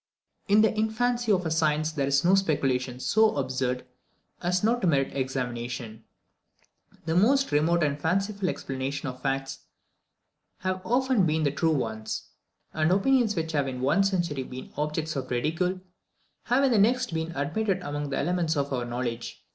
In the infancy of a science there is no speculation so absurd as not to merit examination. The most remote and fanciful explanations of facts have often been found the true ones; and opinions which have in one century been objects of ridicule, have in the next been admitted among the elements of our knowledge.